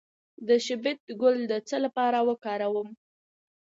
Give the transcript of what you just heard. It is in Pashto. د شبت ګل د څه لپاره وکاروم؟